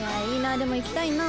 でも行きたいな。